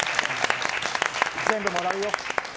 全部もらうよ。